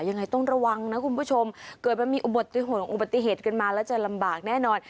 ยังไงต้องระวังนะคุณผู้ชมเกิดมันมีอุบัติเหตุกันมาแล้วจะลำบากแน่นอน